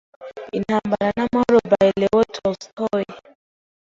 Intambara n'amahoro by Leo Tolstoy